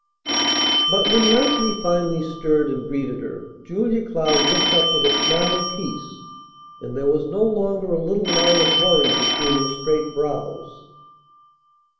But when Leslie finally stirred and greeted her, Julia Cloud looked up with a smile of peace; and there was no longer a little line of worry between her straight brows.